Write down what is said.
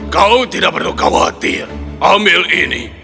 kau tidak perlu khawatir ambil ini